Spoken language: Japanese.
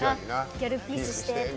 ギャルピースして。